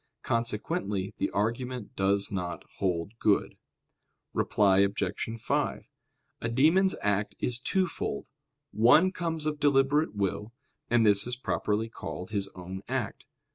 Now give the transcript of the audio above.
Consequently the argument does not hold good. Reply Obj. 5: A demon's act is twofold. One comes of deliberate will; and this is properly called his own act.